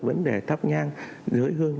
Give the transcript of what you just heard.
vấn đề thắp nhang giới hương